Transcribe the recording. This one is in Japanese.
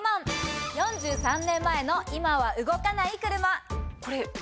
４３年前の今は動かない車。